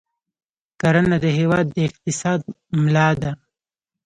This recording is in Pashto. کرنه د هېواد د اقتصاد ملا ده.